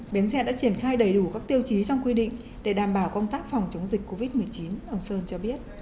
bến xe đã triển khai đầy đủ các tiêu chí trong quy định để đảm bảo công tác phòng chống dịch covid một mươi chín ông sơn cho biết